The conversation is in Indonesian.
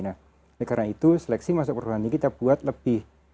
nah karena itu seleksi masuk perguruan tinggi kita buat lebih